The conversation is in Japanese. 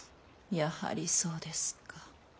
やはりそうですか。